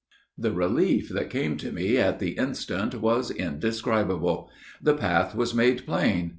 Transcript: ] The relief that came to me at the instant was indescribable. The path was made plain.